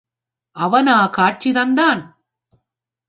அவனா காட்சி தந்தான்?